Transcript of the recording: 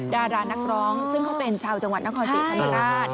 ดารานักร้องซึ่งเขาเป็นชาวจังหวัดนครศรีธรรมราช